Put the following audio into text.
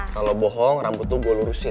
kalo lo bohong rambut tuh gue lurusin